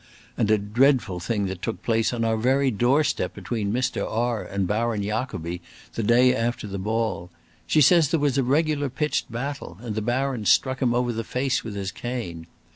and a dreadful thing that took place on our very doorstep between Mr. R. and Baron Jacobi, the day after the ball. She says there was a regular pitched battle, and the Baron struck him over the face with his cane.